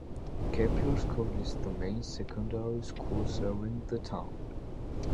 Kepier School is the main secondary school serving the town.